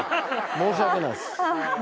申し訳ないっす。